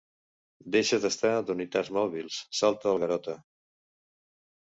Deixa't estar, d'unitats mòbils —salta el Garota—.